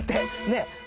ねえ。